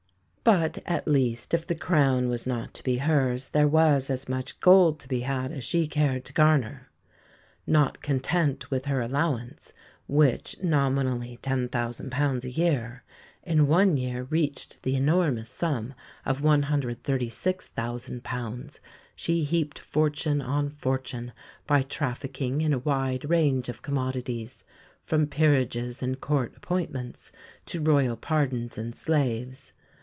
But at least, if the crown was not to be hers, there was as much gold to be had as she cared to garner. Not content with her allowance, which, nominally £10,000 a year, in one year reached the enormous sum of £136,000, she heaped fortune on fortune by trafficking in a wide range of commodities, from peerages and Court appointments to Royal pardons and slaves.